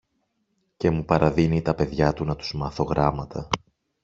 και μου παραδίνει τα παιδιά του να τους μάθω γράμματα.